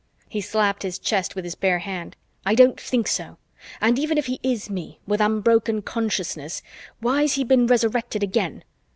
He slapped his chest with his bare hand. "I don't think so. And even if he is me, with unbroken consciousness, why's he been Resurrected again?